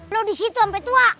lu disitu sampe tua